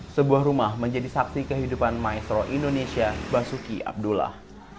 sebuah rumah menjadi saksi kehidupan maestro indonesia basuki abdullah